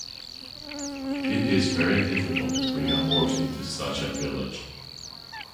It is very difficult to bring a horse into such a village.